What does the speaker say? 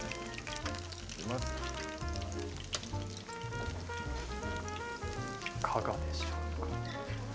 いかがでしょうか？